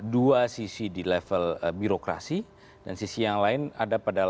dua sisi di level birokrasi dan sisi yang lain ada pada level